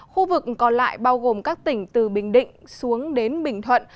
khu vực còn lại bao gồm các tỉnh từ bình định xuống đến bình thuận